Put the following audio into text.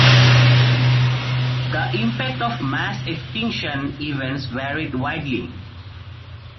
The impact of mass extinction events varied widely.